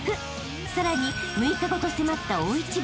［さらに６日後と迫った大一番］